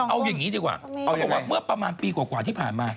เอาอย่างนี้ดีกว่าเขาบอกว่าเมื่อประมาณปีกว่าที่ผ่านมา